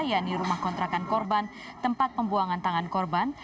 yaitu rumah kontrakan korban tempat pembuangan tangan korban